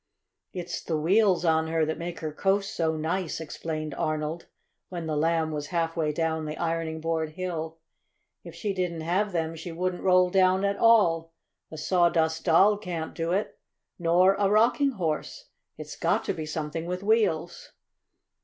"It's the wheels on her that make her coast so nice," explained Arnold, when the Lamb was half way down the ironing board hill. "If she didn't have them she wouldn't roll down at all. A Sawdust Doll can't do it, nor a Rocking Horse. It's got to be something with wheels."